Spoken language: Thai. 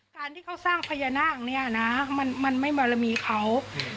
การที่เขาสร้างพญานาคเนี่ยนะมันไม่บารมีเขา